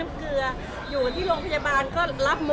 มันเหมือนกับแบบว่าแม้แต่ในขณะที่แกป่วย